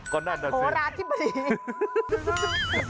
ก็นั่นนะเซฟโฮระที่บรี